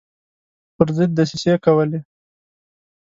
پر ضد دسیسې کولې.